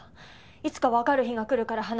いつかわかる日が来るから話した。